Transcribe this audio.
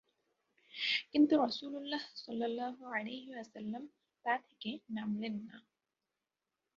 কিন্তু রাসূলুল্লাহ সাল্লাল্লাহু আলাইহি ওয়াসাল্লাম তা থেকে নামলেন না।